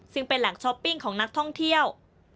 ซึ่งเป็นแหล่งช้อปปิ้งของนักท่องเที่ยว